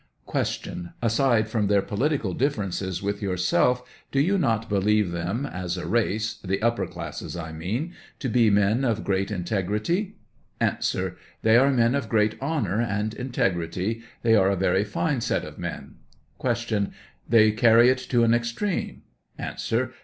Q. Aside from their political difiierences with your 105 self, do. you not believe them as a race — the upper classes, I mean — to be men of great integrity ? A. They are men of great honor and integrity; they are a very fine set of men. Q. They carry it to an extreme